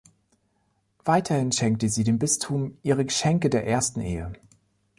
Weiterhin schenkte sie dem Bistum ihre Geschenke der ersten Ehe.